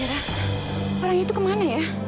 amira orang itu kemana ya